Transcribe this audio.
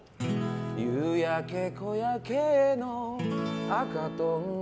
夕焼け小焼けの赤とんぼ。